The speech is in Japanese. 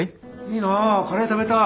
いいなぁカレー食べたい！